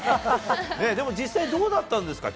でも実際どうだったんですか？